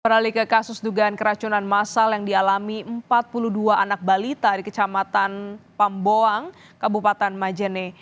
beralih ke kasus dugaan keracunan masal yang dialami empat puluh dua anak balita di kecamatan pamboang kabupaten majene